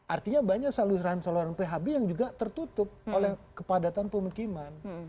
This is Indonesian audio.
artinya banyak saluran saluran phb yang juga tertutup oleh kepadatan pemukiman